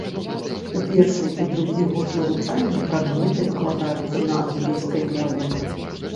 У першы і другі год навучання прадметы выкладаюцца на англійскай мове.